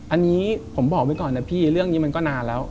อันนี้ผมบอกไว้ก่อนนะพี่เรื่องนี้มันก็นานแล้ว